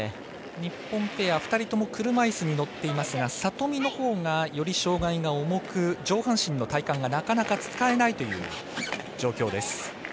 日本ペア、２人とも車いすに乗っていますが里見のほうが、より障がいが重く上半身の体幹がなかなか使えないという状況です。